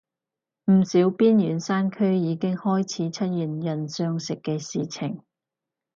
唔少邊遠山區已經開始出現人相食嘅事情